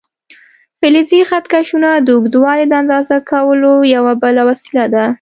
فلزي خط کشونه د اوږدوالي د اندازه کولو یوه بله وسیله ده.